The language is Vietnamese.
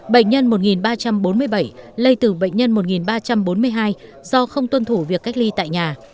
bệnh nhân một ba trăm bốn mươi bảy lây từ bệnh nhân một ba trăm bốn mươi hai do không tuân thủ việc cách ly tại nhà